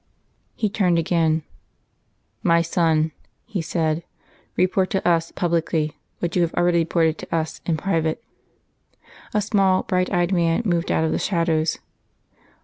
He turned again. "My son," he said, "report to Us publicly what you have already reported to Us in private." A small, bright eyed man moved out of the shadows.